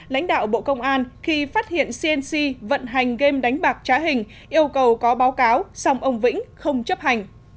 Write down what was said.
lãnh đạo bộ công an khi phát hiện cnc vận hành game đánh bạc trá hình yêu cầu có báo cáo xong ông vĩnh không chấp hành